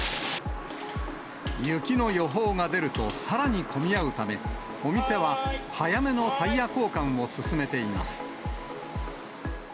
雪の予報が出ると、さらに混み合うため、お店は早めのタイヤ交換を勧めています。